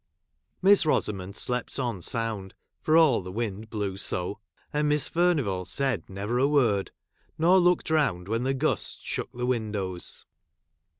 Miss Rosamond slept on sound, for all the 1 wind blew so ; and Miss Furnivall said never a word, nor looked round when the gusts shook the windows.